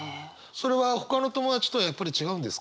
それはほかの友達とはやっぱり違うんですか？